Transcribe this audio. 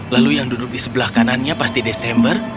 lalu yang duduk di sebelah kanannya pasti desember